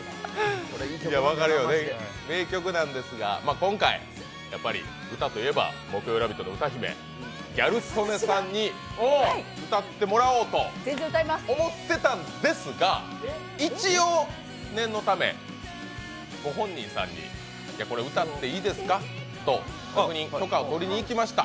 名曲なんですが今回歌といえば木曜「ラヴィット！」の歌姫ギャル曽根さんに歌ってもらおうと思ってたんですが一応、念のためご本人さんに、これ歌っていいですかと確認、許可を取りに行きました。